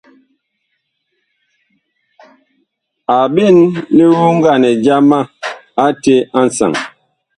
A ɓen lioŋganɛ jama ate a nsaŋ.